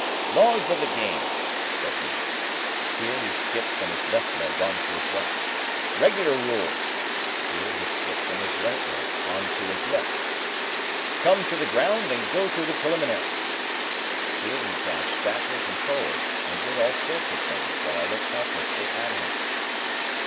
"Laws of the game!" said he. Here, he skipped from his left leg on to his right. "Regular rules!" Here, he skipped from his right leg on to his left. "Come to the ground, and go through the preliminaries!" Here, he dodged backwards and forwards, and did all sorts of things while I looked helplessly at him.